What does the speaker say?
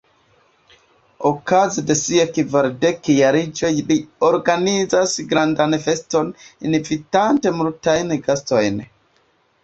Okaze de sia kvardekjariĝo li organizas grandan feston, invitante multajn gastojn.